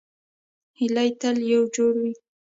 هیلۍ تل یو جوړ وي